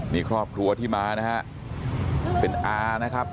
นี่ครอบครัวที่มานะฮะเป็นอานะครับ